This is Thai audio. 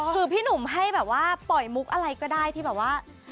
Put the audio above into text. คือพี่หนุ่มให้แบบว่าปล่อยมุกอะไรก็ได้ที่แบบว่า